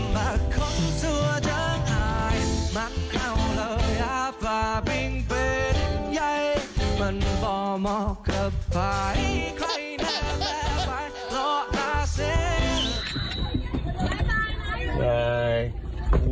มันพอเหมาะกับฝ่ายใครแน่แม่ฝ่ายรออาเส้น